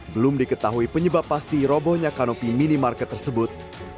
belum diketahui penyebab pasti robohnya kanopi minimarket tersebut